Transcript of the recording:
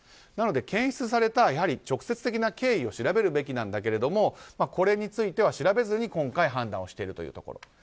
なので検出された直接的な経緯を調べるべきなんだけれどもこれについては調べずに今回判断をしているというところ。